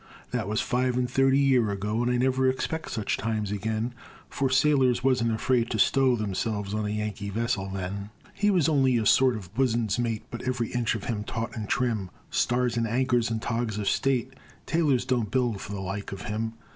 That was five and thirty year ago, And I never expect such times again, For sailors wasn't afraid to stow Themselves on a Yankee vessel then. He was only a sort of bosun's mate, But every inch of him taut and trim; Stars and anchors and togs of state Tailors don't build for the like of him.